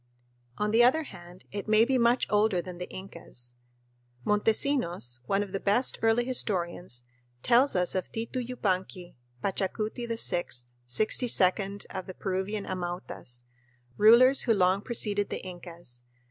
On the other hand, it may be much older than the Incas. Montesinos, one of the best early historians, tells us of Titu Yupanqui, Pachacuti VI, sixty second of the Peruvian Amautas, rulers who long preceded the Incas.